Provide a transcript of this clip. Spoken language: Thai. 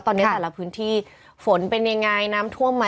ตอนนี้แต่ละพื้นที่ฝนเป็นยังไงน้ำท่วมไหม